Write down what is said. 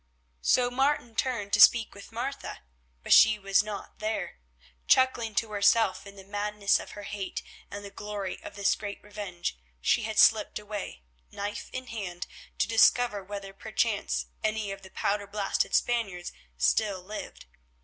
So Martin turned to speak with Martha, but she was not there. Chuckling to herself in the madness of her hate and the glory of this great revenge, she had slipped away, knife in hand, to discover whether perchance any of the powder blasted Spaniards still lived.